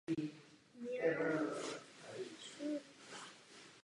Poslední byl právě druhý sňatek Violy Těšínské.